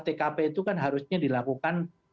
tkp itu kan harusnya dilakukan